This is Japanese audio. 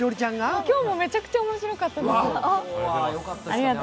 今日もめちゃくちゃ面白かったです。